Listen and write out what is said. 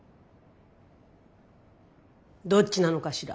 どっちなのかしら。